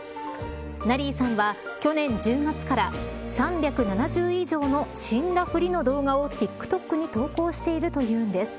ナリーさんは去年１０月から３７０以上の死んだふりの動画をＴｉｋＴｏｋに投稿しているというんです。